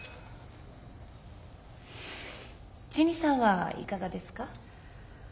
ジュニさんはいかがですか？